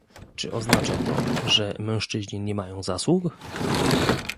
Czy oznacza to, że mężczyźni nie mają zasług?